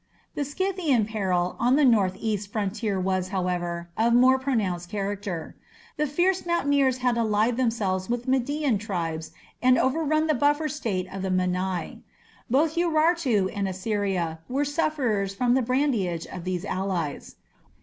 The Scythian peril on the north east frontier was, however, of more pronounced character. The fierce mountaineers had allied themselves with Median tribes and overrun the buffer State of the Mannai. Both Urartu and Assyria were sufferers from the brigandage of these allies.